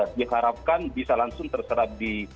diharapkan bisa langsung terserap di